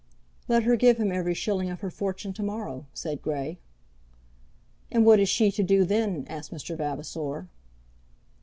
"Let her give him every shilling of her fortune to morrow," said Grey. "And what is she to do then?" asked Mr. Vavasor.